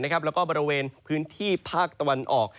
แล้วก็บริเวณพื้นที่ภาคตะวันออก